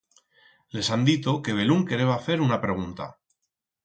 Les han dito que belún quereba fer una pregunta.